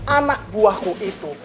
anak buahku itu